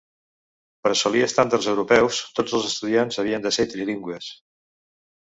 Per assolir estàndards europeus, tots els estudiants havien de ser trilingües.